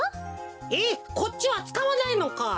えっこっちはつかわないのか。